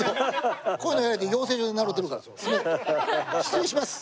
失礼します。